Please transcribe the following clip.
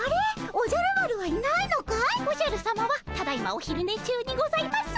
おじゃるさまはただいまおひるね中にございます。